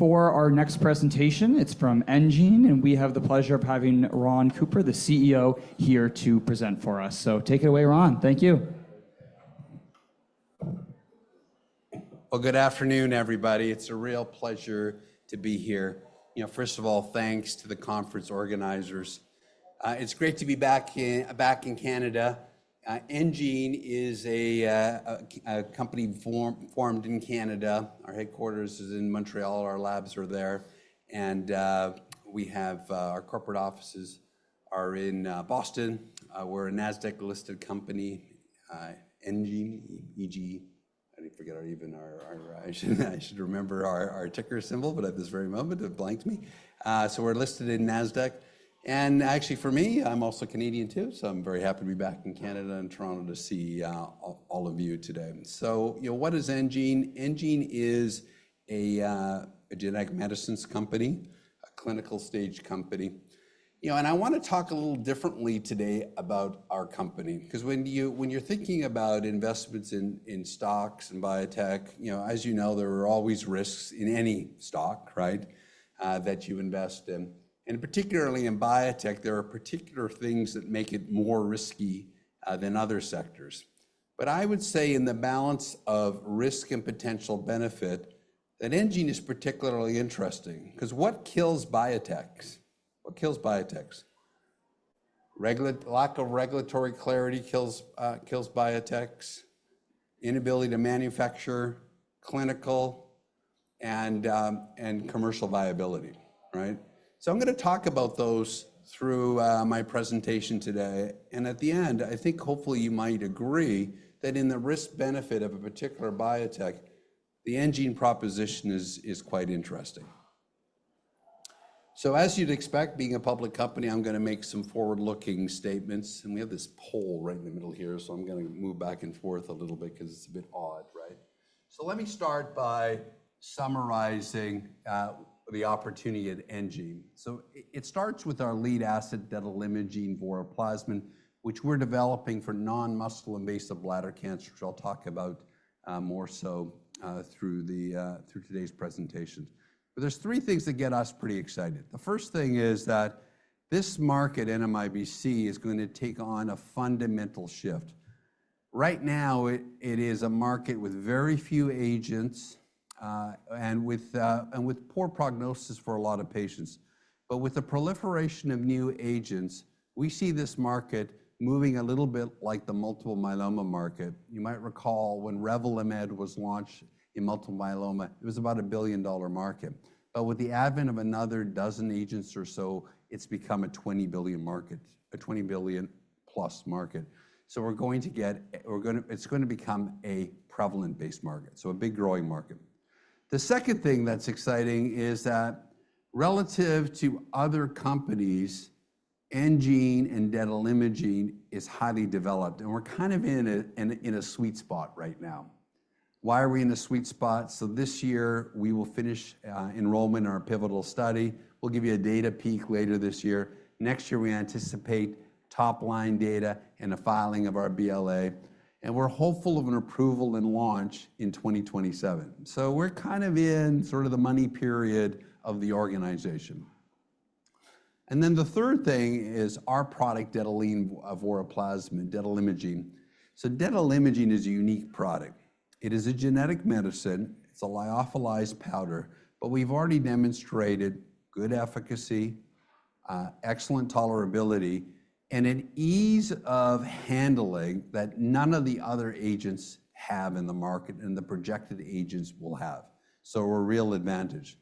For our next presentation, it's from enGene, and we have the pleasure of having Ron Cooper, the CEO, here to present for us. Take it away, Ron. Thank you. Good afternoon, everybody. It's a real pleasure to be here. First of all, thanks to the conference organizers. It's great to be back in Canada. enGene is a company formed in Canada. Our headquarters is in Montreal. Our labs are there. We have our corporate offices in Boston. We're a Nasdaq-listed company. enGene, E-G-E, I didn't forget our even our I should remember our ticker symbol, but at this very moment, it blanked me. We're listed in Nasdaq. Actually, for me, I'm also Canadian, too, so I'm very happy to be back in Canada and Toronto to see all of you today. You know, what is enGene? enGene is a genetic medicines company, a clinical stage company. You know, and I want to talk a little differently today about our company, because when you're thinking about investments in stocks and biotech, you know, as you know, there are always risks in any stock, right, that you invest in. Particularly in biotech, there are particular things that make it more risky than other sectors. I would say in the balance of risk and potential benefit, that enGene is particularly interesting, because what kills biotechs? What kills biotechs? Lack of regulatory clarity kills biotechs, inability to manufacture, clinical and commercial viability, right? I am going to talk about those through my presentation today. At the end, I think hopefully you might agree that in the risk-benefit of a particular biotech, the enGene proposition is quite interesting. As you'd expect, being a public company, I'm going to make some forward-looking statements. We have this poll right in the middle here, so I'm going to move back and forth a little bit because it's a bit odd, right? Let me start by summarizing the opportunity at enGene. It starts with our lead asset, detalimogene voraplasmid, which we're developing for non-muscle invasive bladder cancer, which I'll talk about more so through today's presentation. There are three things that get us pretty excited. The first thing is that this market, NMIBC, is going to take on a fundamental shift. Right now, it is a market with very few agents and with poor prognosis for a lot of patients. With the proliferation of new agents, we see this market moving a little bit like the multiple myeloma market. You might recall when Revlimid was launched in multiple myeloma, it was about a billion-dollar market. With the advent of another dozen agents or so, it's become a $20 billion market, a $20+ billion market. We're going to get it's going to become a prevalent-based market, so a big growing market. The second thing that's exciting is that relative to other companies, enGene and detalimogene is highly developed. We're kind of in a sweet spot right now. Why are we in a sweet spot? This year, we will finish enrollment in our pivotal study. We'll give you a data peek later this year. Next year, we anticipate top-line data and a filing of our BLA. We're hopeful of an approval and launch in 2027. We're kind of in sort of the money period of the organization. The third thing is our product, detalimogene voraplasmid, detalimogene. Detalimogene is a unique product. It is a genetic medicine. It's a lyophilized powder. We've already demonstrated good efficacy, excellent tolerability, and an ease of handling that none of the other agents have in the market and the projected agents will have. We're a real advantage.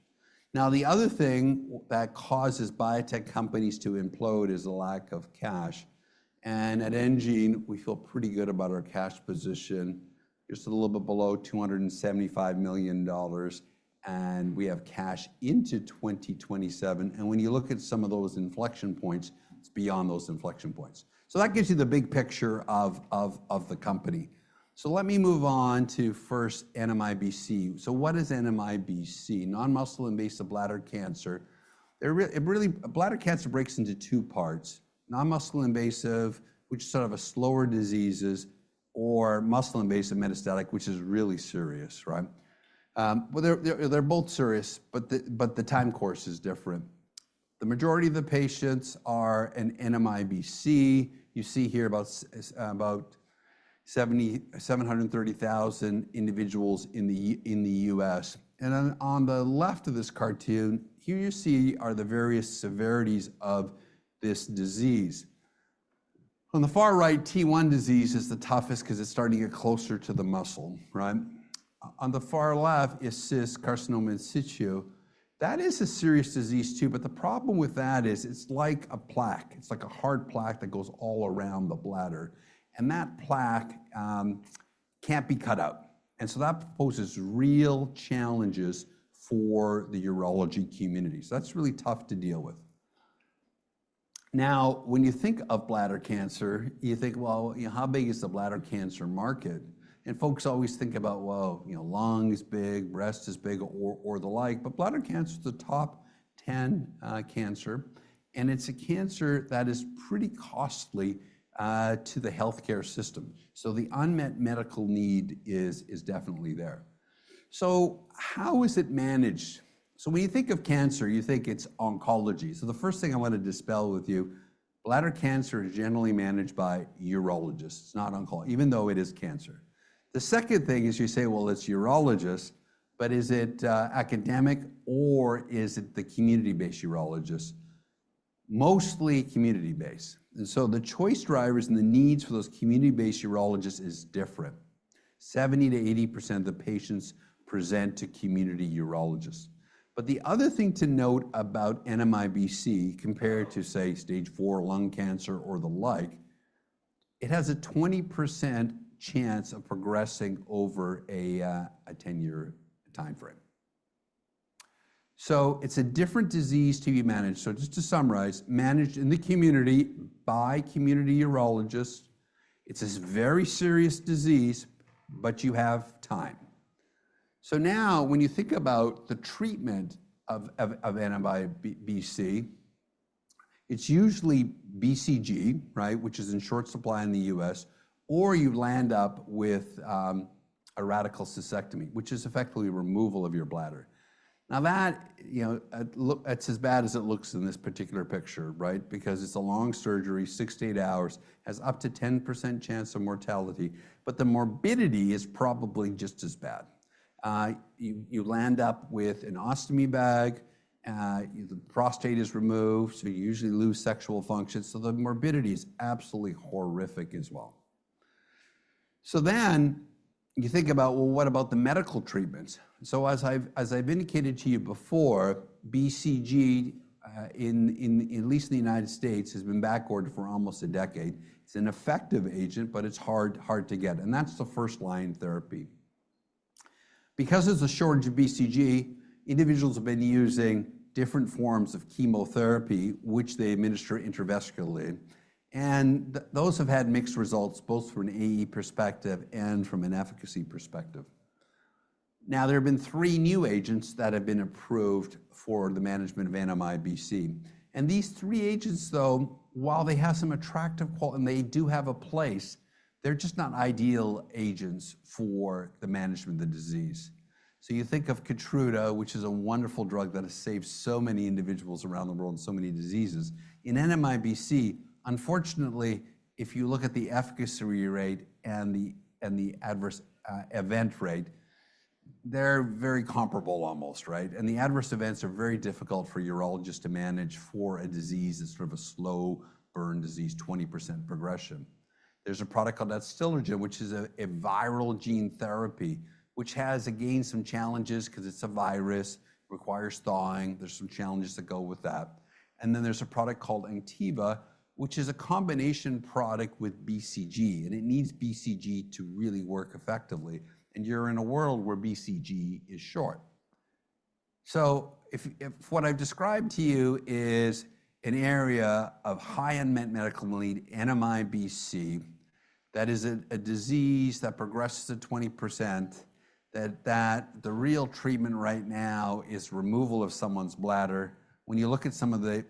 The other thing that causes biotech companies to implode is a lack of cash. At enGene, we feel pretty good about our cash position, just a little bit below $275 million. We have cash into 2027. When you look at some of those inflection points, it's beyond those inflection points. That gives you the big picture of the company. Let me move on to first NMIBC. What is NMIBC? Non-muscle invasive bladder cancer. Bladder cancer breaks into two parts: non-muscle invasive, which is sort of a slower disease, or muscle invasive metastatic, which is really serious, right? They are both serious, but the time course is different. The majority of the patients are in NMIBC. You see here about 730,000 individuals in the U.S. On the left of this cartoon, you see the various severities of this disease. On the far right, T1 disease is the toughest because it is starting to get closer to the muscle, right? On the far left is CIS, carcinoma in situ. That is a serious disease, too. The problem with that is it is like a plaque. It is like a hard plaque that goes all around the bladder. That plaque cannot be cut out, and that poses real challenges for the urology community. That is really tough to deal with. Now, when you think of bladder cancer, you think, how big is the bladder cancer market? Folks always think about, you know, lung is big, breast is big, or the like. Bladder cancer is the top 10 cancer. It is a cancer that is pretty costly to the healthcare system. The unmet medical need is definitely there. How is it managed? When you think of cancer, you think it's oncology. The first thing I want to dispel with you, bladder cancer is generally managed by urologists. It's not oncology, even though it is cancer. The second thing is you say, you know, it's urologists, but is it academic or is it the community-based urologists? Mostly community-based. The choice drivers and the needs for those community-based urologists is different. 70%-80% of the patients present to community urologists. The other thing to note about NMIBC compared to, say, stage four lung cancer or the like, it has a 20% chance of progressing over a 10-year time frame. It is a different disease to be managed. Just to summarize, managed in the community by community urologists. It is a very serious disease, but you have time. Now, when you think about the treatment of NMIBC, it is usually BCG, right, which is in short supply in the U.S., or you land up with a radical cystectomy, which is effectively removal of your bladder. That, you know, it is as bad as it looks in this particular picture, right, because it is a long surgery, six-eight hours, has up to 10% chance of mortality, but the morbidity is probably just as bad. You land up with an ostomy bag. The prostate is removed, so you usually lose sexual function. The morbidity is absolutely horrific as well. Then you think about, well, what about the medical treatments? As I've indicated to you before, BCG, at least in the United States, has been backordered for almost a decade. It's an effective agent, but it's hard to get. That's the first-line therapy. Because there's a shortage of BCG, individuals have been using different forms of chemotherapy, which they administer intravascularly. Those have had mixed results, both from an AE perspective and from an efficacy perspective. There have been three new agents that have been approved for the management of NMIBC. These three agents, though, while they have some attractive qualities and they do have a place, they're just not ideal agents for the management of the disease. You think of Keytruda, which is a wonderful drug that has saved so many individuals around the world and so many diseases. In NMIBC, unfortunately, if you look at the efficacy rate and the adverse event rate, they are very comparable almost, right? The adverse events are very difficult for urologists to manage for a disease that is sort of a slow-burn disease, 20% progression. There is a product called Adstiladrin, which is a viral gene therapy, which has, again, some challenges because it is a virus, requires thawing. There are some challenges that go with that. There is a product called Anktiva, which is a combination product with BCG. It needs BCG to really work effectively. You are in a world where BCG is short. If what I've described to you is an area of high unmet medical need, NMIBC, that is a disease that progresses to 20%, that the real treatment right now is removal of someone's bladder, when you look at some of the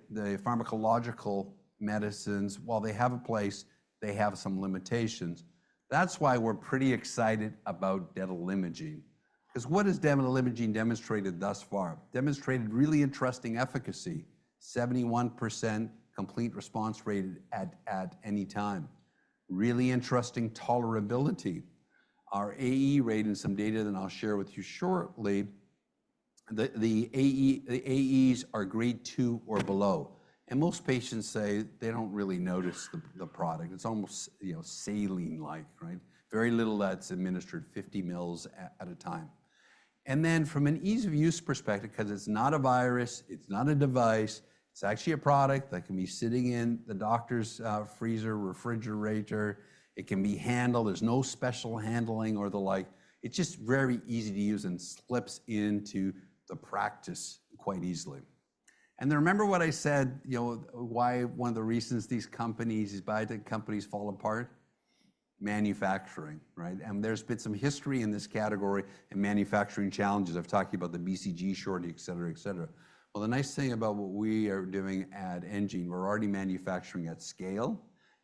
pharmacological medicines, while they have a place, they have some limitations. That's why we're pretty excited about detalimogene, because what has detalimogene demonstrated thus far? Demonstrated really interesting efficacy, 71% complete response rate at any time, really interesting tolerability. Our AE rate in some data that I'll share with you shortly, the AEs are grade two or below. Most patients say they don't really notice the product. It's almost, you know, saline-like, right? Very little that's administered, 50 mL at a time. From an ease-of-use perspective, because it's not a virus, it's not a device, it's actually a product that can be sitting in the doctor's freezer, refrigerator. It can be handled. There's no special handling or the like. It's just very easy to use and slips into the practice quite easily. You know, why one of the reasons these companies, these biotech companies fall apart? Manufacturing, right? And there's been some history in this category and manufacturing challenges. I've talked to you about the BCG shortage, etc, etc. The nice thing about what we are doing at enGene, we're already manufacturing at scale.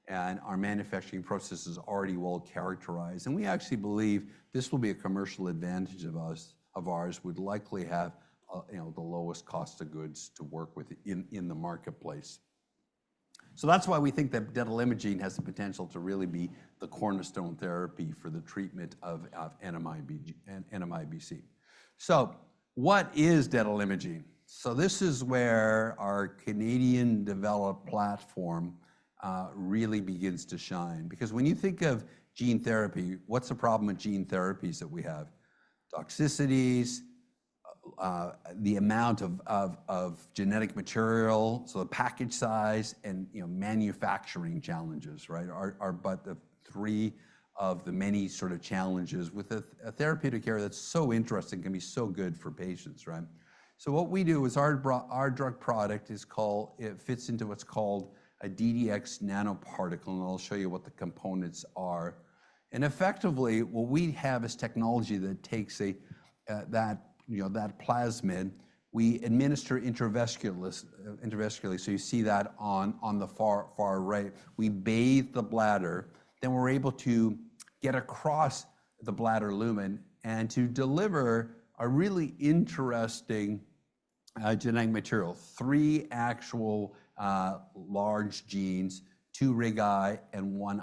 Our manufacturing process is already well characterized. We actually believe this will be a commercial advantage of ours. We'd likely have, you know, the lowest cost of goods to work with in the marketplace. That is why we think that detalimogene voraplasmid has the potential to really be the cornerstone therapy for the treatment of NMIBC. What is detalimogene voraplasmid? This is where our Canadian-developed platform really begins to shine. Because when you think of gene therapy, what is the problem with gene therapies that we have? Toxicities, the amount of genetic material, so the package size and manufacturing challenges, right, are but three of the many sort of challenges with a therapeutic area that is so interesting, can be so good for patients, right? What we do is our drug product fits into what is called a DDX nanoparticle. I will show you what the components are. Effectively, what we have is technology that takes that plasmid. We administer intravesically. You see that on the far right. We bathe the bladder. We're able to get across the bladder lumen and to deliver a really interesting genetic material, three actual large genes, two RIG-I and one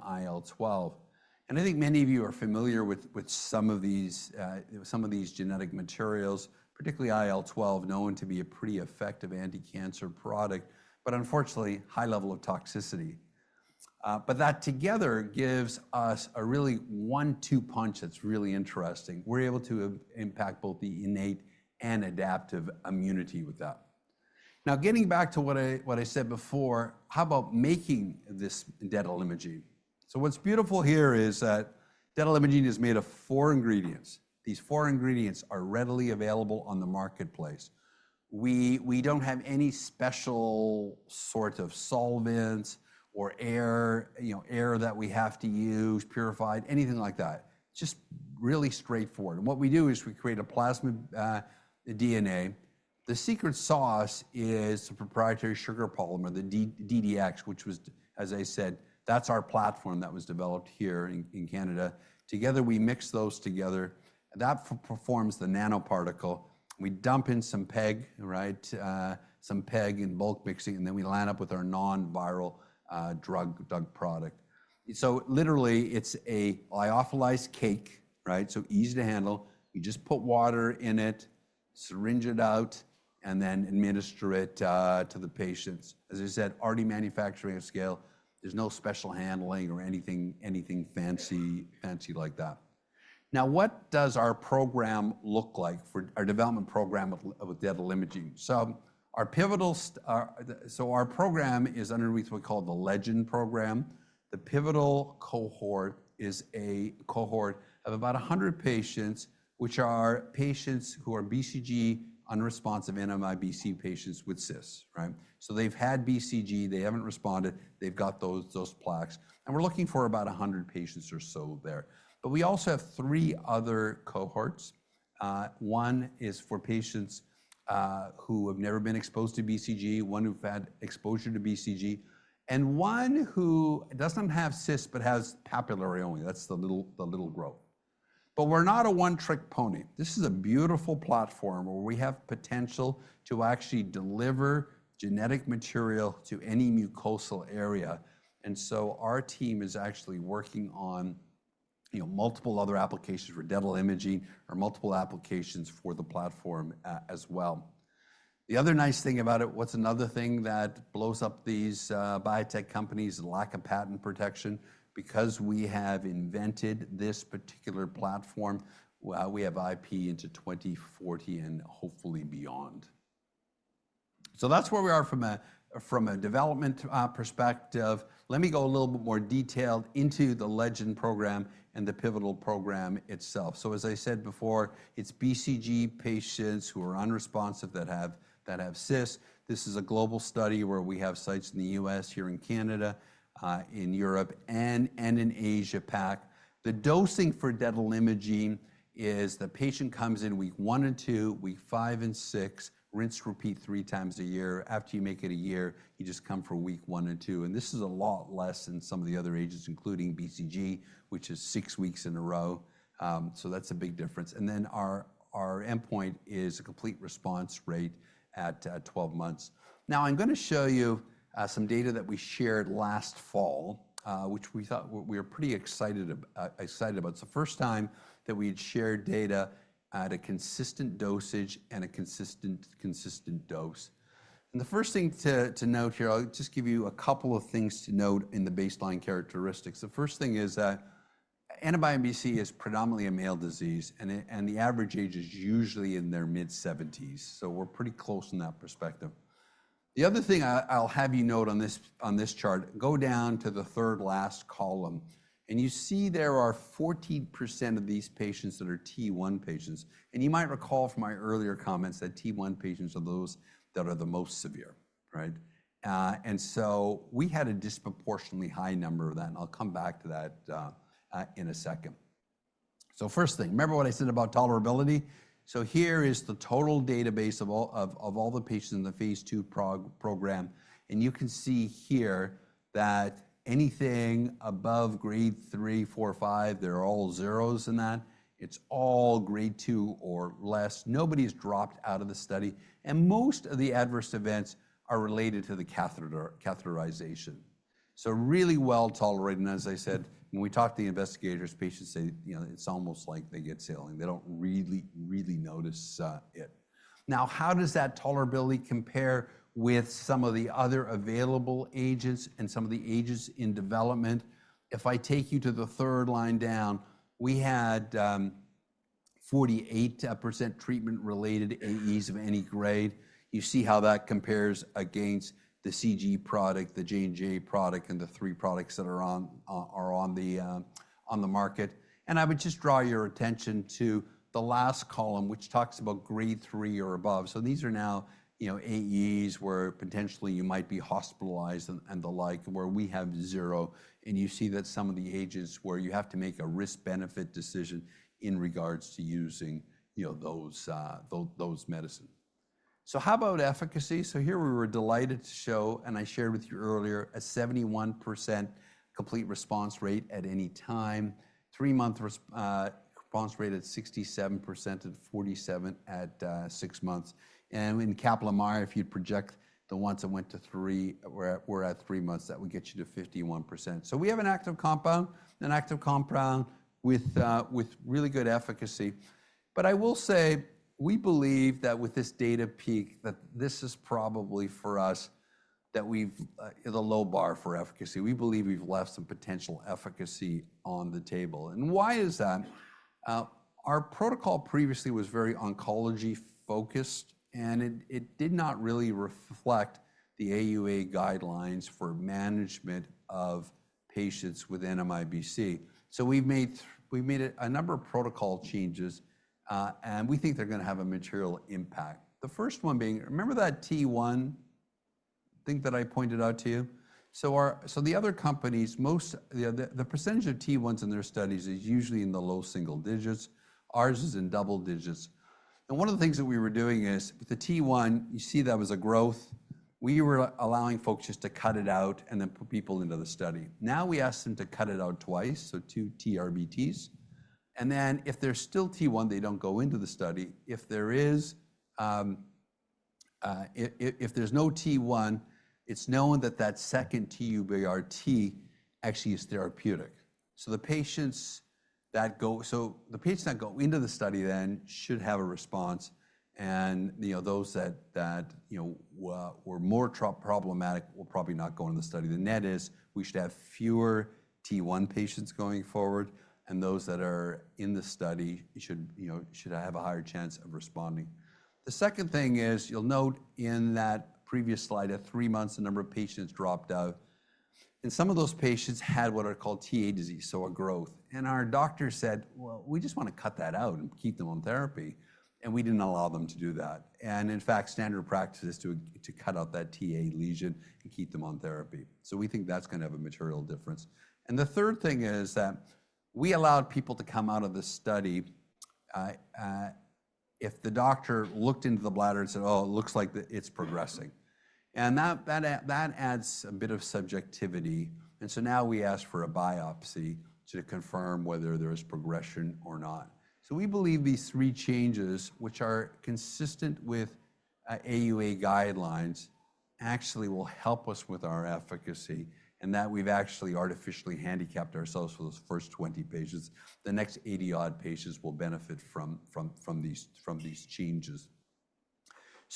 IL-12. I think many of you are familiar with some of these genetic materials, particularly IL-12, known to be a pretty effective anti-cancer product, but unfortunately, high level of toxicity. That together gives us a really one-two punch that's really interesting. We're able to impact both the innate and adaptive immunity with that. Now, getting back to what I said before, how about making this detalimogene? What's beautiful here is that detalimogene is made of four ingredients. These four ingredients are readily available on the marketplace. We don't have any special sort of solvents or air, you know, air that we have to use, purified, anything like that. Just really straightforward. What we do is we create a plasmid DNA. The secret sauce is the proprietary sugar polymer, the DDX, which was, as I said, that's our platform that was developed here in Canada. Together, we mix those together. That forms the nanoparticle. We dump in some PEG, right, some PEG in bulk mixing. Then we line up with our non-viral drug product. Literally, it's a lyophilized cake, right? So easy to handle. You just put water in it, syringe it out, and then administer it to the patients. As I said, already manufacturing at scale. There's no special handling or anything fancy like that. Now, what does our program look like for our development program of detalimogene? Our pivotal program is underneath what we call the Legend program. The pivotal cohort is a cohort of about 100 patients, which are patients who are BCG unresponsive NMIBC patients with cysts, right? They've had BCG. They haven't responded. They've got those plaques. We're looking for about 100 patients or so there. We also have three other cohorts. One is for patients who have never been exposed to BCG, one who've had exposure to BCG, and one who doesn't have cysts but has papillary only. That's the little growth. We're not a one-trick pony. This is a beautiful platform where we have potential to actually deliver genetic material to any mucosal area. Our team is actually working on, you know, multiple other applications for dental imaging or multiple applications for the platform as well. The other nice thing about it, what's another thing that blows up these biotech companies is lack of patent protection. Because we have invented this particular platform, we have IP into 2040 and hopefully beyond. That is where we are from a development perspective. Let me go a little bit more detailed into the Legend program and the pivotal program itself. As I said before, it is BCG patients who are unresponsive that have cysts. This is a global study where we have sites in the U.S., here in Canada, in Europe, and in Asia-Pacific. The dosing for detalimogene is the patient comes in week one and two, week five and six, rinse repeat three times a year. After you make it a year, you just come for week one and two. This is a lot less than some of the other agents, including BCG, which is six weeks in a row. That is a big difference. Our endpoint is a complete response rate at 12 months. I'm going to show you some data that we shared last fall, which we thought we were pretty excited about. It's the first time that we had shared data at a consistent dosage and a consistent dose. The first thing to note here, I'll just give you a couple of things to note in the baseline characteristics. The first thing is that NMIBC is predominantly a male disease, and the average age is usually in their mid-70s. We're pretty close in that perspective. The other thing I'll have you note on this chart, go down to the third last column, and you see there are 14% of these patients that are T1 patients. You might recall from my earlier comments that T1 patients are those that are the most severe, right? We had a disproportionately high number of that, and I'll come back to that in a second. First thing, remember what I said about tolerability? Here is the total database of all the patients in the phase II program. You can see here that anything above grade three, four, five, there are all zeros in that. It's all grade two or less. Nobody's dropped out of the study. Most of the adverse events are related to the catheterization. Really well tolerated. As I said, when we talk to the investigators, patients say, you know, it's almost like they get saline. They don't really, really notice it. Now, how does that tolerability compare with some of the other available agents and some of the agents in development? If I take you to the third line down, we had 48% treatment-related AEs of any grade. You see how that compares against the CG product, the J&J product, and the three products that are on the market. I would just draw your attention to the last column, which talks about grade three or above. These are now, you know, AEs where potentially you might be hospitalized and the like, where we have zero. You see that some of the agents where you have to make a risk-benefit decision in regards to using, you know, those medicines. How about efficacy? Here we were delighted to show, and I shared with you earlier, a 71% complete response rate at any time, three-month response rate at 67% and 47% at six months. In Kaplan Mark, if you'd project the ones that went to three, we're at three months. That would get you to 51%. We have an active compound, an active compound with really good efficacy. I will say we believe that with this data peak, that this is probably for us that we've the low bar for efficacy. We believe we've left some potential efficacy on the table. Why is that? Our protocol previously was very oncology-focused, and it did not really reflect the AUA guidelines for management of patients with NMIBC. We have made a number of protocol changes, and we think they're going to have a material impact. The first one being, remember that T1 thing that I pointed out to you? The other companies, most the percentage of T1s in their studies is usually in the low single digits. Ours is in double digits. One of the things that we were doing is with the T1, you see that was a growth. We were allowing folks just to cut it out and then put people into the study. Now we asked them to cut it out twice, so two TURBTs. If there's still T1, they do not go into the study. If there is, if there's no T1, it's known that that second TURBT actually is therapeutic. The patients that go into the study then should have a response. You know, those that, you know, were more problematic will probably not go into the study. The net is we should have fewer T1 patients going forward, and those that are in the study should have a higher chance of responding. The second thing is you'll note in that previous slide, at three months, the number of patients dropped out. Some of those patients had what are called TA disease, so a growth. Our doctor said, you know, we just want to cut that out and keep them on therapy. We didn't allow them to do that. In fact, standard practice is to cut out that TA lesion and keep them on therapy. We think that's going to have a material difference. The third thing is that we allowed people to come out of the study if the doctor looked into the bladder and said, oh, it looks like it's progressing. That adds a bit of subjectivity. Now we ask for a biopsy to confirm whether there is progression or not. We believe these three changes, which are consistent with AUA guidelines, actually will help us with our efficacy and that we've actually artificially handicapped ourselves for those first 20 patients. The next 80-odd patients will benefit from these changes.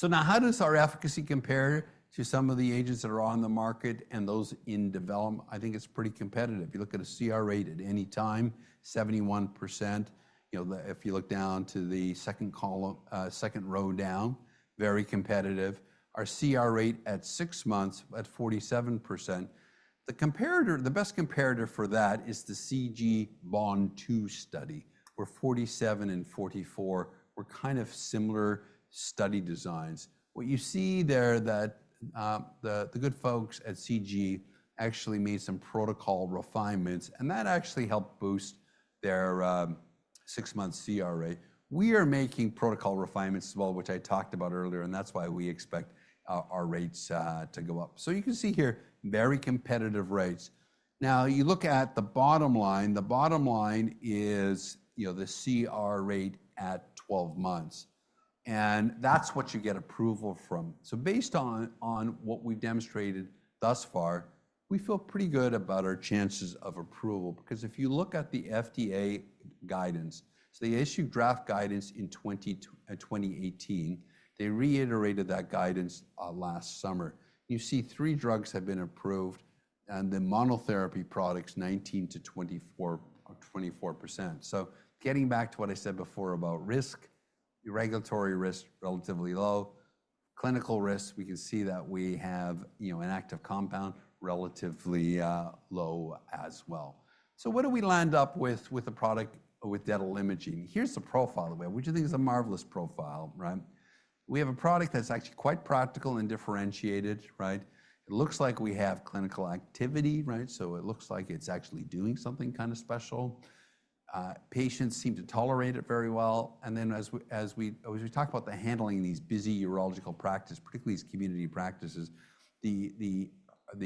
Now, how does our efficacy compare to some of the agents that are on the market and those in development? I think it's pretty competitive. If you look at a CR rate at any time, 71%. You know, if you look down to the second column, second row down, very competitive. Our CR rate at six months at 47%. The comparator, the best comparator for that is the CG Bond 2 study, where 47 and 44 were kind of similar study designs. What you see there that the good folks at CG actually made some protocol refinements, and that actually helped boost their six-month CR rate. We are making protocol refinements as well, which I talked about earlier, and that's why we expect our rates to go up. You can see here, very competitive rates. Now, you look at the bottom line. The bottom line is, you know, the CR rate at 12 months. And that's what you get approval from. Based on what we've demonstrated thus far, we feel pretty good about our chances of approval. Because if you look at the FDA guidance, they issued draft guidance in 2018. They reiterated that guidance last summer. You see three drugs have been approved, and the monotherapy products, 19%-24%. Getting back to what I said before about risk, regulatory risk relatively low. Clinical risks, we can see that we have, you know, an active compound relatively low as well. What do we land up with a product with detalimogene voraplasmid? Here's the profile that we have, which I think is a marvelous profile, right? We have a product that's actually quite practical and differentiated, right? It looks like we have clinical activity, right? So it looks like it's actually doing something kind of special. Patients seem to tolerate it very well. As we talk about the handling of these busy urological practices, particularly these community practices, the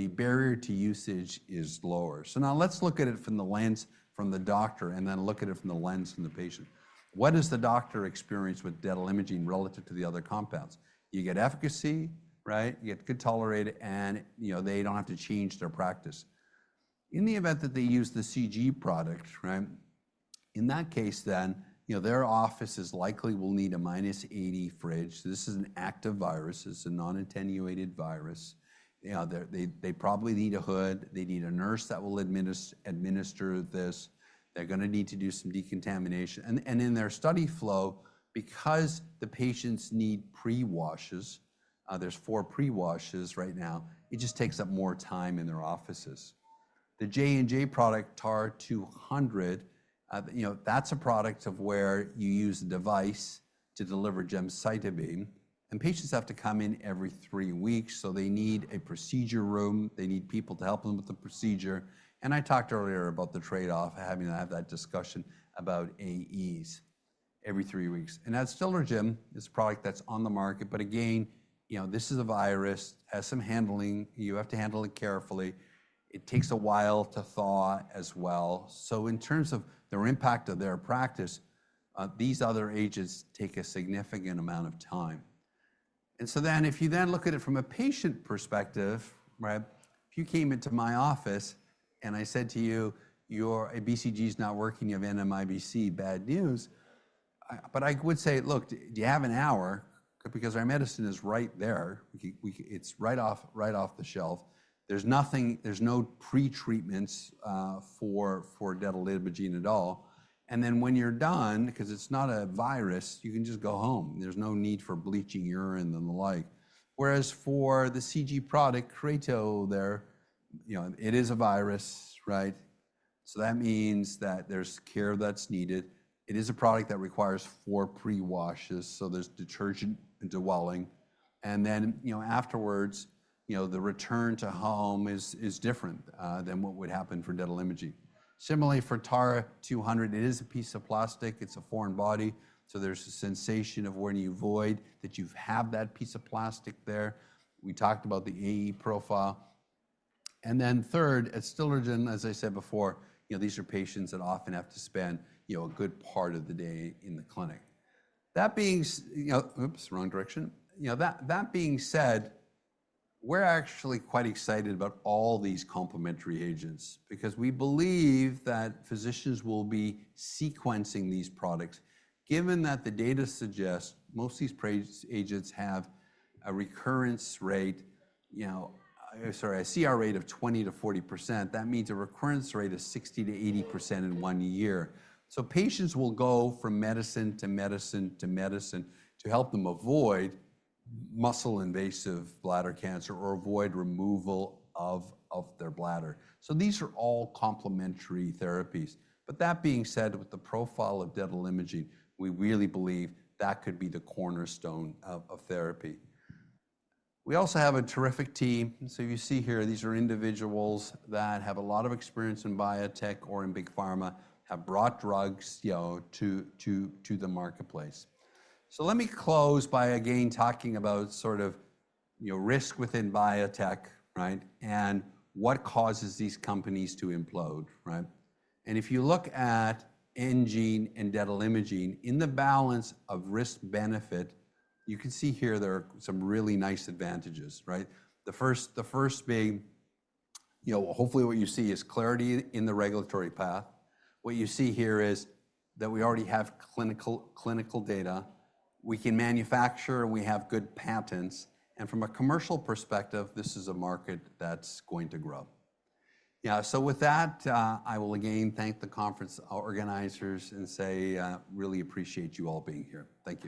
barrier to usage is lower. Now let's look at it from the lens from the doctor and then look at it from the lens from the patient. What does the doctor experience with detalimogene voraplasmid relative to the other compounds? You get efficacy, right? You get good tolerated, and you know, they don't have to change their practice. In the event that they use the BCG product, right? In that case then, you know, their offices likely will need a -80 fridge. This is an active virus. It's a non-attenuated virus. They probably need a hood. They need a nurse that will administer this. They're going to need to do some decontamination. In their study flow, because the patients need pre-washes, there's four pre-washes right now, it just takes up more time in their offices. The J&J product TAR-200, you know, that's a product where you use a device to deliver gemcitabine. Patients have to come in every three weeks. They need a procedure room. They need people to help them with the procedure. I talked earlier about the trade-off, having to have that discussion about AEs every three weeks. That's TAR-200. It's a product that's on the market. Again, you know, this is a virus. It has some handling. You have to handle it carefully. It takes a while to thaw as well. In terms of their impact of their practice, these other agents take a significant amount of time. If you then look at it from a patient perspective, right? If you came into my office and I said to you, your BCG is not working, you have NMIBC, bad news. I would say, look, do you have an hour? Because our medicine is right there. It's right off the shelf. There's nothing, there's no pretreatments for detalimogene at all. When you're done, because it's not a virus, you can just go home. There's no need for bleaching urine and the like. Whereas for the CG product, you know, it is a virus, right? That means that there's care that's needed. It is a product that requires four pre-washes. There is detergent and dwelling. And then, you know, afterwards, you know, the return to home is different than what would happen for dental imaging. Similarly, for TAR-200, it is a piece of plastic. It is a foreign body. There is a sensation of when you void that you have that piece of plastic there. We talked about the AE profile. And then third, Adstiladrin, as I said before, you know, these are patients that often have to spend, you know, a good part of the day in the clinic. That being, you know, oops, wrong direction. You know, that being said, we are actually quite excited about all these complementary agents because we believe that physicians will be sequencing these products. Given that the data suggests most of these agents have a recurrence rate, you know, sorry, a CR rate of 20%-40%, that means a recurrence rate of 60%-80% in one year. Patients will go from medicine to medicine to medicine to help them avoid muscle invasive bladder cancer or avoid removal of their bladder. These are all complementary therapies. That being said, with the profile of detalimogene, we really believe that could be the cornerstone of therapy. We also have a terrific team. You see here, these are individuals that have a lot of experience in biotech or in big pharma, have brought drugs, you know, to the marketplace. Let me close by again talking about sort of, you know, risk within biotech, right? What causes these companies to implode, right? If you look at enGene and detalimogene, in the balance of risk-benefit, you can see here there are some really nice advantages, right? The first being, you know, hopefully what you see is clarity in the regulatory path. What you see here is that we already have clinical data. We can manufacture and we have good patents. From a commercial perspective, this is a market that's going to grow. Yeah. With that, I will again thank the conference organizers and say, really appreciate you all being here. Thank you.